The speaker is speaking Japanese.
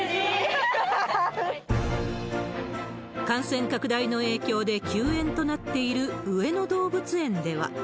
感染拡大の影響で休園となっている上野動物園では。